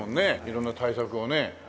色んな対策をね。